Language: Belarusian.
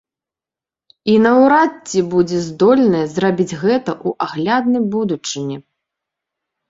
І наўрад ці будзе здольная зрабіць гэта ў агляднай будучыні.